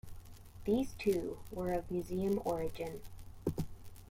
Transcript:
These too, were of museum origin.